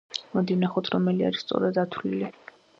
მოდი ვნახოთ, რომელი არის სწორად დათვლილი.